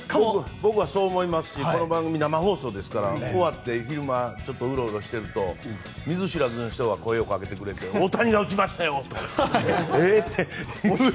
僕はそう思いますしこの番組、生放送ですから終わって昼間にうろうろしていると見ず知らずの人が声をかけてくれて大谷が打ちましたよ！